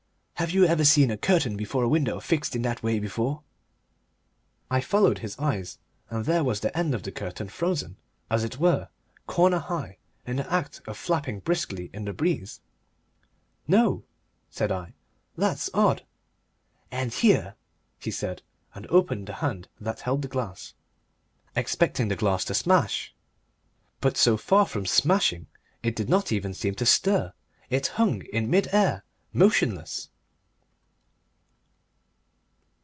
"Have you ever seen a curtain before a window fixed in that way before?" I followed his eyes, and there was the end of the curtain, frozen, as it were, corner high, in the act of flapping briskly in the breeze. "No," said I; "that's odd." "And here," he said, and opened the hand that held the glass. Naturally I winced, expecting the glass to smash. But so far from smashing it did not even seem to stir; it hung in mid air motionless.